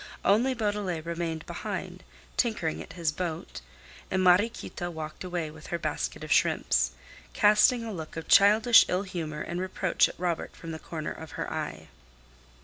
Only Beaudelet remained behind, tinkering at his boat, and Mariequita walked away with her basket of shrimps, casting a look of childish ill humor and reproach at Robert from the corner of her eye.